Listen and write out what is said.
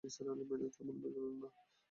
নিসার আলির মেজাজ তেমন বিগড়াল না।